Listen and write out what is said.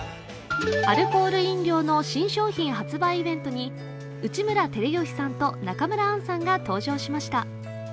アルコール飲料の新商品発売イベントに内村光良さんと中村アンさんが登場しました。